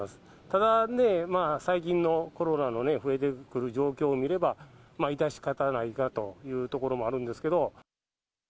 ただね、最近のコロナのね、増えてくる状況を見れば、まあ致し方ないかというところもあるんですけど。